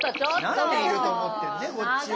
何年いると思ってんのこっちは。